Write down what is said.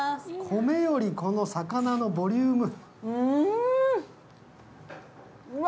米より魚のボリューム。